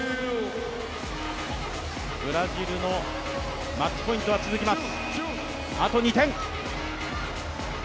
ブラジルのマッチポイントが続きます、あと２点。